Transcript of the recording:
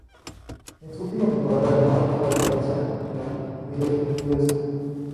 En su última temporada ganó la Copa de Francia y la Leaders Cup.